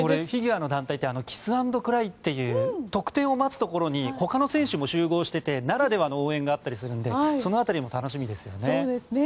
フィギュアの団体ってキスアンドクライという得点を待つところに他の選手も集合していてならではの応援があってその辺りも楽しみですよね。